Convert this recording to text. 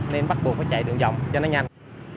nên bắt buộc phải chạy đường rộng cho nó nhanh